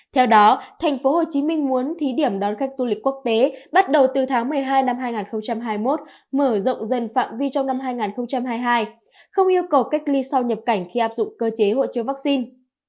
theo đó thành phố hồ chí minh muốn thí điểm đón khách du lịch quốc tế bắt đầu từ tháng một mươi hai năm hai nghìn hai mươi một mở rộng dần phạm vi trong năm hai nghìn hai mươi hai không yêu cầu cách ly sau nhập cảnh khi áp dụng cơ chế hộ chiếu vaccine